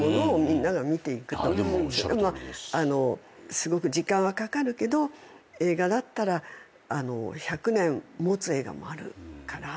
すごく時間はかかるけど映画だったら１００年もつ映画もあるから